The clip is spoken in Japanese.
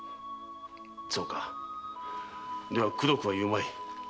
そうかではくどくは言うまい。